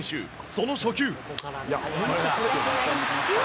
その初球。